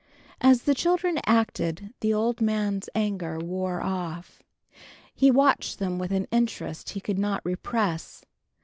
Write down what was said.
As the children acted the old man's anger wore off. He watched them with an interest he could not repress.